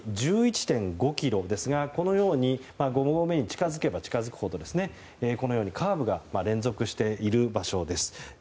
距離、１１．５ｋｍですがこのように５合目に近づけば近づくほどカーブが連続している道です。